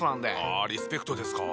あリスペクトですか。